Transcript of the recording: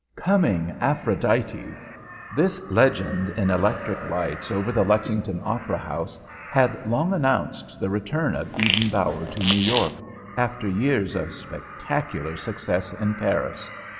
COMING, APHRODITE! This legend, in electric lights over the Lexington Opera House, had long announced the return of Eden Bower to New York after years of spectacular success in Paris.